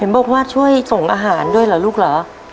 บอกว่าช่วยส่งอาหารด้วยเหรอลูกเหรอ